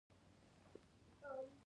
فقر جرمونه زیاتوي.